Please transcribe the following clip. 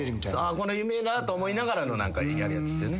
この夢いいなと思いながらの何かやるやつですよね。